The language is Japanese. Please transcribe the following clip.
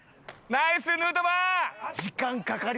ナイスヌートバー！